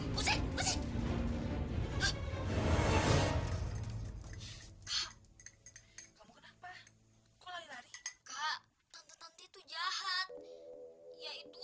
kamu kenapa kau lari lari kak tentu jahat yaitu